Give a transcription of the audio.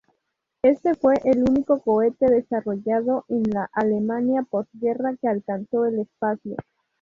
Este fue el único cohete desarrollado en la Alemania posguerra que alcanzó el espacio.